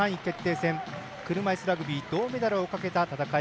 戦車いすラグビー銅メダルをかけた戦い。